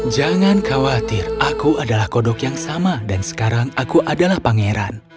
jangan khawatir aku adalah kodok yang sama dan sekarang aku adalah pangeran